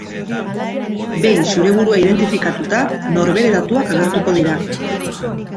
Behin zure burua identifikatuta, norbere datuak agertuko dira.